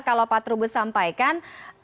kalau pak trubo sampaikan